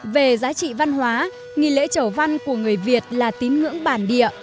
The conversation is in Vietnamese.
về giá trị văn hóa nghỉ lễ chở văn của người việt là tín ngưỡng bản địa